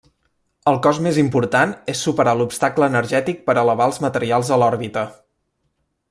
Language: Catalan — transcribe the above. El cost més important és superar l'obstacle energètic per elevar els materials a l'òrbita.